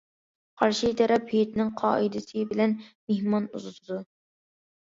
قارشى تەرەپ ھېيتنىڭ قائىدىسى بىلەن مېھمان ئۇزىتىدۇ.